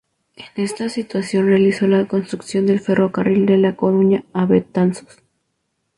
En esta situación realizó la construcción del ferrocarril de La Coruña a Betanzos.